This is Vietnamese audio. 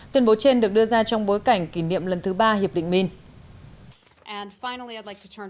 tuyên bố trên được đưa ra trong bối cảnh kỷ niệm lần thứ ba hiệp định min